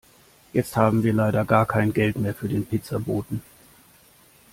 Jetzt haben wir leider gar kein Geld mehr für den Pizzaboten.